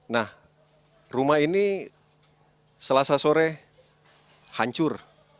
nah rumah ini selasa sore hancur